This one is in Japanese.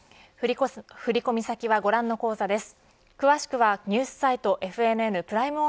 振込先はご覧の口座です。